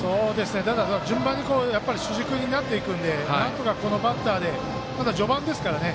順番に主軸になっていくのでなんとか、このバッターでまだ序盤ですからね